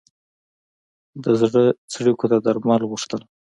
د زړه څړیکو ته درمل غوښتل.